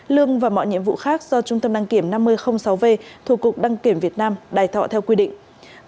lương và mọi nhiệm vụ khác do trung tâm đăng kiểm năm mươi sáu v thuộc cục đăng kiểm việt nam đài thọ theo quy định